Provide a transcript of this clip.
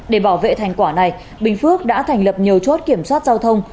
để bảo vệ thành quả này bình phước đã thành lập nhiều chốt kiểm soát giao thông